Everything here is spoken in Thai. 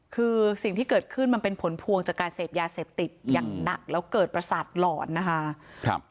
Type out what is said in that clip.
คือสิ่งที่เกิดขึ้นมันเป็นผลพวงจากการเสพยาเสพติดอย่างหนักแล้วเกิดประสาทหลอนนะคะ